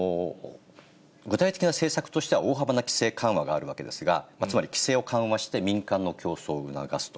具体的な政策としては、大幅な規制緩和があるわけですが、つまり規制を緩和して民間の競争を促すと。